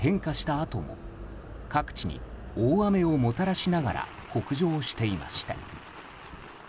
あとも各地に大雨をもたらしながら北上していました。